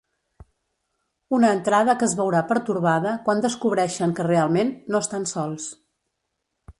Una entrada que es veurà pertorbada quan descobreixen que realment, no estan sols.